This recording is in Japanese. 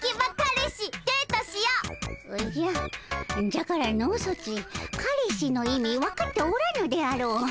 じゃからのソチカレシの意味分かっておらぬであろう？